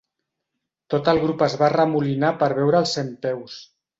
Tot el grup es va arremolinar per veure el centpeus.